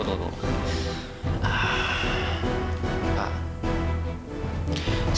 satria anak yang baik lho ma